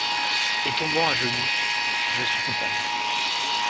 Et tombant à genoux : Je suis coupable.